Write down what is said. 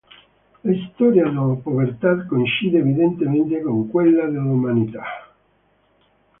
La storia della povertà coincide evidentemente con quella dell'umanità.